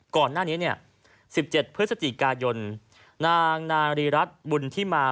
ก่อนหน้านี้เนี่ย๑๗พฤศจิกายนนางนารีรัฐบุญที่มา